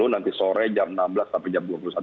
nanti sore jam enam belas sampai jam dua puluh satu